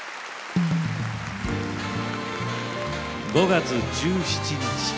５月１７日。